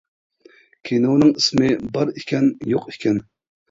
كىنونىڭ ئىسمى «بار ئىكەن، يوق ئىكەن» .